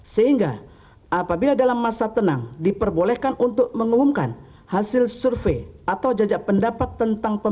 sehingga apabila dalam masa tenang diperbolehkan untuk mengumumkan hasil survei atau jajak pendapat tentang pemilu